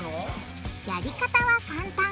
やり方は簡単。